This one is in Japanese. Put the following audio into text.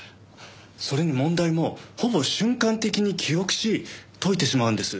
それに問題もほぼ瞬間的に記憶し解いてしまうんです。